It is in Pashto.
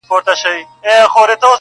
یار په مینه کي هم خوی د پښتون غواړم,